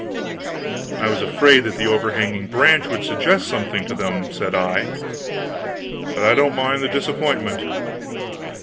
"I was afraid that the overhanging branch would suggest something to them," said I, "but I don't mind the disappointment.